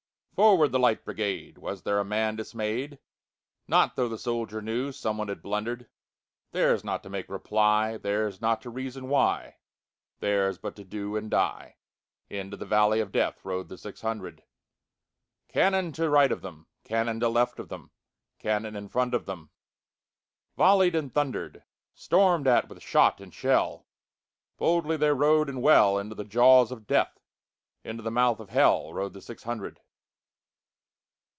"Forward, the Light Brigade!"Was there a man dismay'd? Not tho' the soldier knewSome one had blunder'd:Theirs not to make reply, Theirs not to reason why, Theirs but to do and die:Into the valley of DeathRode the six hundred. Cannon to right of them, Cannon to left of them, Cannon in front of themVolley'd and thunder'd; Storm'd at with shot and shell, Boldly they rode and well, Into the jaws of Death, Into the mouth of HellRode the six hundred.